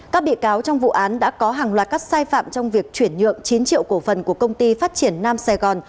các bị cáo trong vụ án đã có hàng loạt các sai phạm trong việc chuyển nhượng chín triệu cổ phần của công ty phát triển nam sài gòn